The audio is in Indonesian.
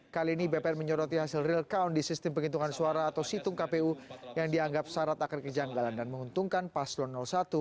kali ini bpn menyoroti hasil real count di sistem penghitungan suara atau situng kpu yang dianggap syarat akan kejanggalan dan menguntungkan paslon satu